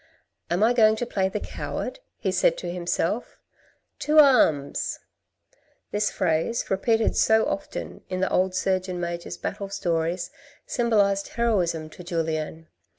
" Am I going to play the coward," he said to himself: " To Arms!" This phrase, repeated so often in the old Surgeon Major's battle stories, symbolized heroism to Julien.